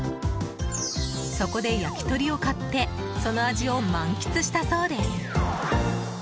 そこで焼き鳥を買ってその味を満喫したそうです。